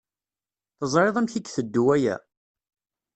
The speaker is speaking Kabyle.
Teẓṛiḍ amek i iteddu waya?